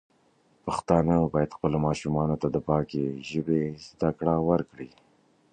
پښتانه بايد خپلو ماشومانو ته د پاکې ژبې زده کړه ورکړي.